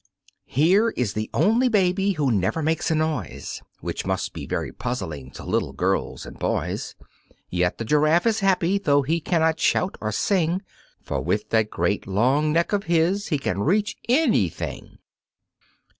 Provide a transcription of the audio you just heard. Here is the only baby who never makes a noise (Which must be very puzzling to little girls and boys). Yet the Giraffe is happy 'though he cannot shout or sing, For with that great long neck of his he can reach anything.